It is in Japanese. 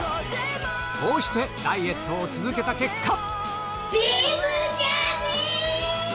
こうしてダイエットを続けた結果デブじゃねえ‼